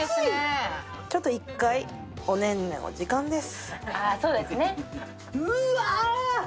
ちょっと一回おねんねの時間です。